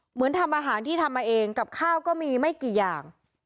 เหมือนทำอาหารที่ทำมาเองกับข้าวก็มีไม่กี่อย่าง